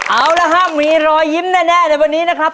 เอาละครับมีรอยยิ้มแน่ในวันนี้นะครับ